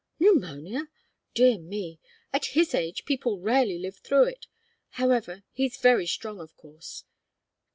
"Pneumonia? Dear me! At his age, people rarely live through it however, he's very strong, of course.